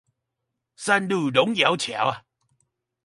三鶯龍窯橋